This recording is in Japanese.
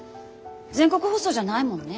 全国放送じゃないもんね。